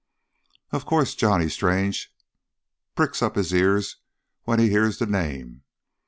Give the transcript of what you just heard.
Of course Johnny Strange pricks up his ears when he hears the name.